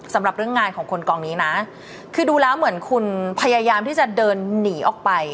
สำหรับเรื่องงานของคนกองนี้นะคือดูแล้วเหมือนคุณพยายามที่จะเดินหนีออกไป